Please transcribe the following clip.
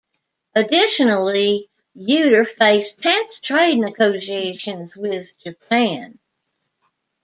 Additionally, Yeutter faced tense trade negotiations with Japan.